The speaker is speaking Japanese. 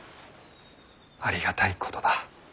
ありがたいことだ。